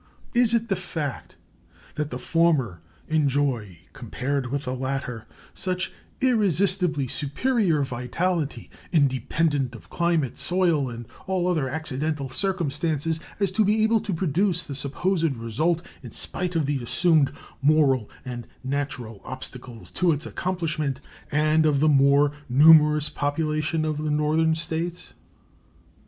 Is it the fact that the former enjoy, compared with the latter, such irresistibly superior vitality, independent of climate, soil, and all other accidental circumstances, as to be able to produce the supposed result in spite of the assumed moral and natural obstacles to its accomplishment and of the more numerous population of the Northern States?